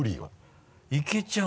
いけちゃう。